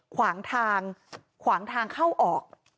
ขวางทางเข้าออก